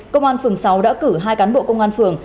công an phường sáu đã cử hai cán bộ công an phường